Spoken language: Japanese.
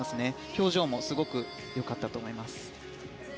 表情もすごく良かったと思います。